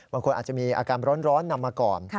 บางคนอาจจะมีอาการร้อนนำมาก่อน